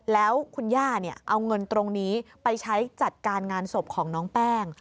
แล้วคุณย่าเอาเงินตรงนี้ไปใช้จัดการงานศพของน้องแป้ง